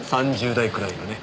３０代くらいのね。